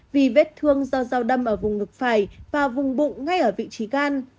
vì vết thương do dao đâm ở vùng ngực phải và vùng bụng ngay ở vị trí gan